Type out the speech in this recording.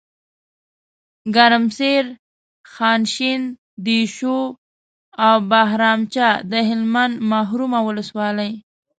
ګرمسیر، خانشین، دیشو او بهرامچه دهلمند محرومه ولسوالۍ